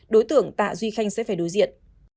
đối tượng tạ duy khanh sẽ phải đối diện